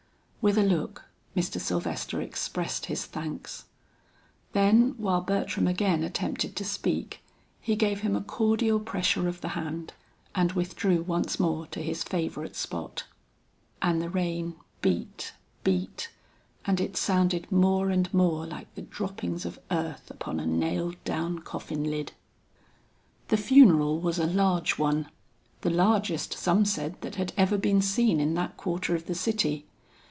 With a look Mr. Sylvester expressed his thanks. Then while Bertram again attempted to speak, he gave him a cordial pressure of the hand, and withdrew once more to his favorite spot. And the rain beat, beat, and it sounded more and more like the droppings of earth upon a nailed down coffin lid. The funeral was a large one. The largest some said that had ever been seen in that quarter of the city.